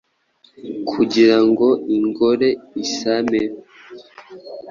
Kugira ngo ingore isame